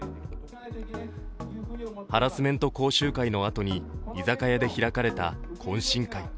ハラスメント講習会のあとに居酒屋で開かれた懇親会。